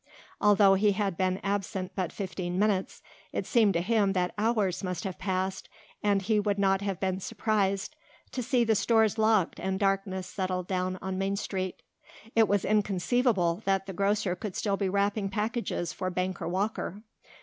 Although he had been absent but fifteen minutes it seemed to him that hours must have passed and he would not have been surprised to see the stores locked and darkness settled down on Main Street. It was inconceivable that the grocer could still be wrapping packages for banker Walker.